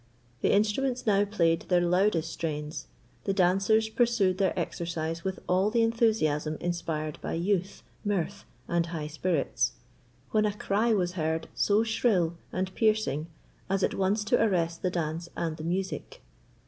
The instruments now played their loudest strains; the dancers pursued their exercise with all the enthusiasm inspired by youth, mirth, and high spirits, when a cry was heard so shrill and piercing as at once to arrest the dance and the music.